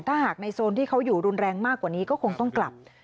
ถ้าหากในโซนที่เขาอยู่รุนแรงมากกว่านี้ก็คงต้องกลับ